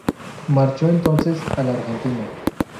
Marchó entonces a la Argentina.